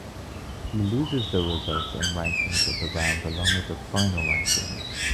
He loses the results and rankings of this round along with the final rankings.